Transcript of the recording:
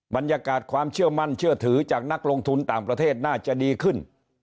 บรรยากาศความเชื่อมั่นเชื่อถือจากนักลงทุนต่างประเทศน่าจะดีขึ้น